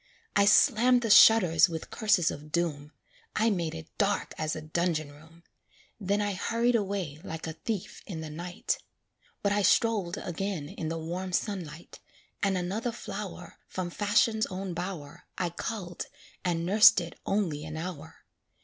I slammed the shutters with curses of doom; I made it dark as a dungeon room, Then I hurried away like a thief in the night; But I strolled again in the warm sunlight, And another flower From Fashion's own bower I culled, and nursed it only an hour.